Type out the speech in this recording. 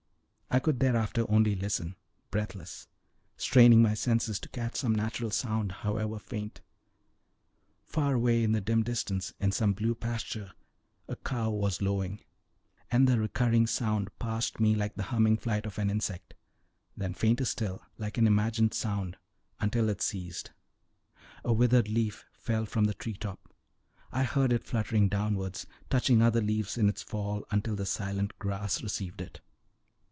I could thereafter only listen, breathless, straining my senses to catch some natural sound, however faint. Far away in the dim distance, in some blue pasture, a cow was lowing, and the recurring sound passed me like the humming flight of an insect, then fainter still, like an imagined sound, until it ceased. A withered leaf fell from the tree top; I heard it fluttering downwards, touching other leaves in its fall until the silent grass received it.